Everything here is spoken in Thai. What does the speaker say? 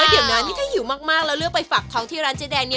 เดี๋ยวนะนี่ถ้าหิวมากแล้วเลือกไปฝักทองที่ร้านเจ๊แดงนี้